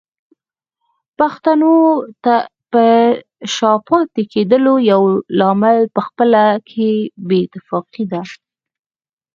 پښتنو په شا پاتې کېدلو يو لامل پخپله کې بې اتفاقي ده